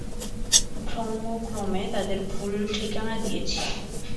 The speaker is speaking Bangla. ভ্রমক্রমে তাদের ভুল ঠিকানা দিয়েছি!